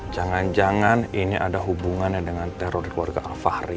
jangan jangan ini ada hubungannya dengan teror keluarga al fahri